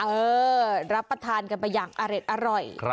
เออรับประทานกันไปอย่างอร็ดอร่อย